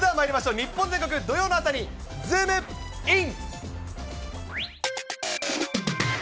日本全国土曜の朝にズームイン！！